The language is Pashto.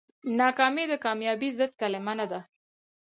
ناکامي د کامیابۍ ضد کلمه نه ده.